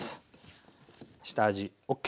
下味ＯＫ。